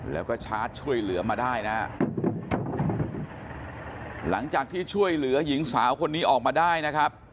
แล้วก็ชาร์จช่วยเหลือมาได้นะฮะหลังจากที่ช่วยเหลือหญิงสาวคนนี้ออกมาได้นะครับ